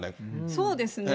そうですね。